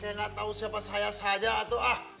kena tahu siapa saya saja atuh ah